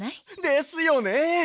ですよね。